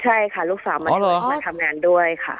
ใช่ค่ะลูกสาวมาทำงานด้วยค่ะ